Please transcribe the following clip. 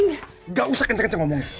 enggak usah kenceng kenceng ngomong